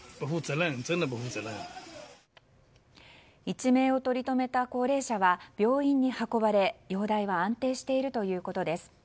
一命を取り留めた高齢者は病院に運ばれ容体は安定しているということです。